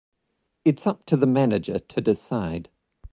It's up to the manager to decide.